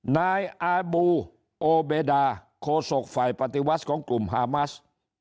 นายอาบูโอเบดาโคศกฝ่ายปฏิวัติของกลุ่มฮามัส